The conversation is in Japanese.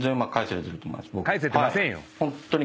返せてませんよ。